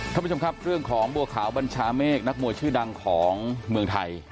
ท่านผู้ชมครับเรื่องของบัวขาวบัญชาเมฆนักมวยชื่อดังของเมืองไทย